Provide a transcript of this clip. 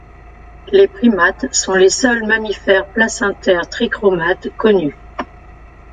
Les primates sont les seuls mammifères placentaires trichromates connus.